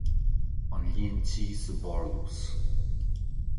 An líon tí sa bparlús.